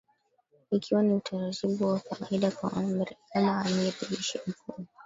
Ikiwa ni utaratibu wa kawaida kama amiri jeshi mkuu